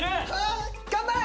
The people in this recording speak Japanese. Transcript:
頑張れ！